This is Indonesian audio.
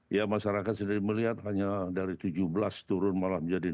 ya masyarakat sendiri melihat hanya dari tujuh belas turun malah menjadi enam belas